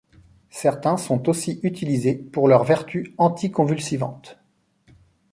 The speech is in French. Certains sont aussi utilisés pour leurs vertus anticonvulsivantes.